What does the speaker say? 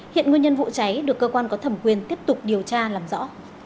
hiện nguyên nhân vụ cháy được cơ quan có thẩm quyền tiếp tục điều tra làm rõ